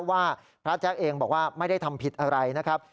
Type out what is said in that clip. ว่าพระแจ๊กเองบอกว่าไม่ได้ทำผิดอะไรนะครับ